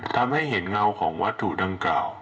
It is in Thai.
ทำให้เห็นเงาของวัตถุดังกล่าว